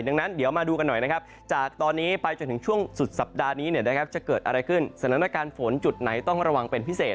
ดังนั้นเดี๋ยวมาดูกันหน่อยนะครับจากตอนนี้ไปจนถึงช่วงสุดสัปดาห์นี้จะเกิดอะไรขึ้นสถานการณ์ฝนจุดไหนต้องระวังเป็นพิเศษ